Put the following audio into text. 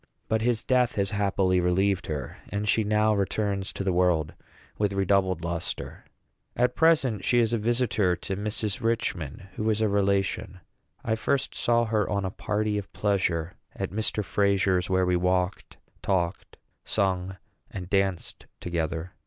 But his death has happily relieved her; and she now returns to the world with redoubled lustre. At present she is a visitor to Mrs. Richman, who is a relation. I first saw her on a party of pleasure at Mr. Frazier's, where we walked, talked, sang, and danced together.